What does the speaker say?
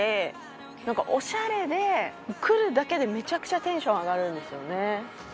何かオシャレで来るだけでめちゃくちゃテンション上がるんですよね。